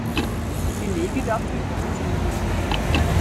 Belege dafür gibt es nicht.